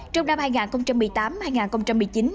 trong năm hai nghìn một mươi tám hai nghìn một mươi chín